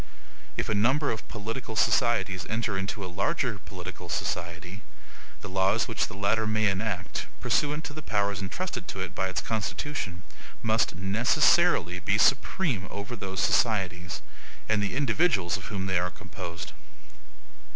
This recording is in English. If a number of political societies enter into a larger political society, the laws which the latter may enact, pursuant to the powers intrusted to it by its constitution, must necessarily be supreme over those societies, and the individuals of whom they are composed.